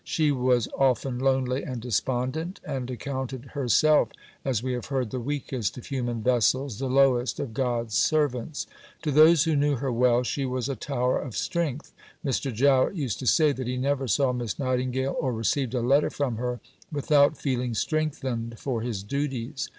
She was often lonely and despondent, and accounted herself, as we have heard, the weakest of human vessels, the lowest of God's servants. To those who knew her well, she was a tower of strength. Mr. Jowett used to say that he never saw Miss Nightingale or received a letter from her without feeling strengthened for his duties.